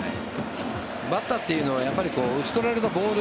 バッターというのはやっぱり打ち取られたボール